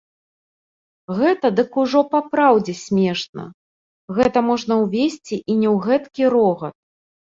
Гэта дык ужо папраўдзе смешна, гэта можа ўвесці і не ў гэткі рогат.